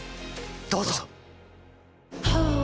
どうぞ。